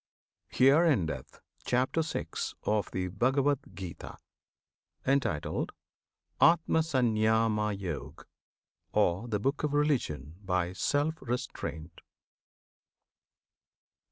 HERE ENDETH CHAPTER VI. OF THE BHAGAVAD GITA, Entitled "Atmasanyamayog," Or "The Book of Religion by Self Restraint."